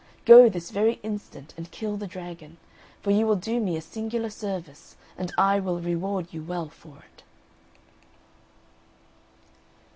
Go this very instant and kill the dragon; for you will do me a singular service, and I will reward you well for it."